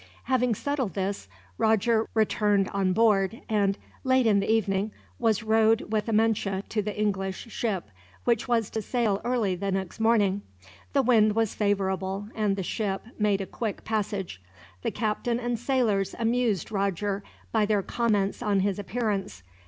Having settled this, Roger returned on board and, late in the evening, was rowed with Amenche to the English ship, which was to sail early the next morning. The wind was favorable, and the ship made a quick passage. The captain and sailors amused Roger by their comments on his appearance.